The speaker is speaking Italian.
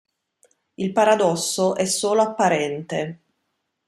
Il paradosso è solo apparente.